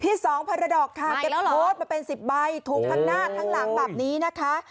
พี่สองพารดอกค่ะใหม่แล้วเหรอเป็นสิบใบถูกทางหน้าทางหลังแบบนี้นะคะ